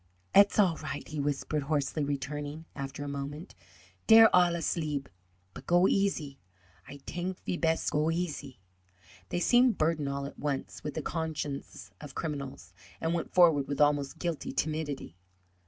"Et's all right," he whispered, hoarsely, returning after a moment; "dere all asleeb. But go easy; Ay tank ve pest go easy." They seemed burdened all at once with the consciences of criminals, and went forward with almost guilty timidity.